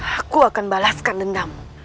aku akan balaskan dendammu